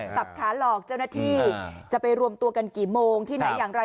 จับขาหลอกเจ้าหน้าที่จะไปรวมตัวกันกี่โมงที่ไหนอย่างไร